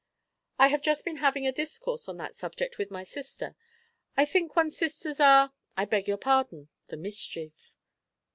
"I have just been having a discourse on that subject with my sister. I think one's sisters are I beg your pardon! the mischief.